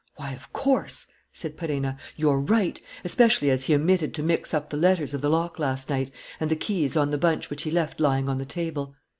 "Why, of course!" said Perenna. "You're right ... especially as he omitted to mix up the letters of the lock last night, and the key is on the bunch which he left lying on the table."